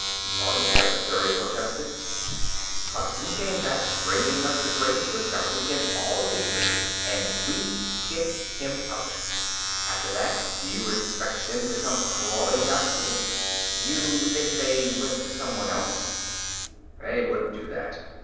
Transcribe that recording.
the army secretary protested. "Hudson came here, bringing us the greatest discovery in all history, and we kicked him out. After that, do you expect them to come crawling back to us?" "You think they went to someone else?" "They wouldn't do that.